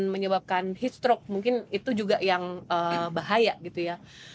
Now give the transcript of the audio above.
menyebabkan heatstroke mungkin itu juga yang bahaya gitu ya